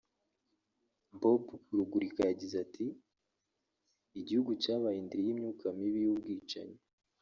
Bob Rugurika yagize ati “Igihugu cyabaye indiri y’imyuka mibi y’ubwicanyi